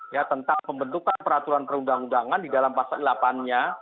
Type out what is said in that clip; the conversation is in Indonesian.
ya tentang pembentukan peraturan perundang undangan di dalam pasal delapan nya